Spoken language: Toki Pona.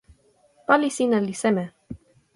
pali sina li seme?